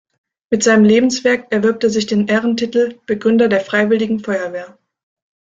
Mit seinem Lebenswerk erwirbt er sich den Ehrentitel „Begründer der Freiwilligen Feuerwehr“.